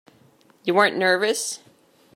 You weren't nervous?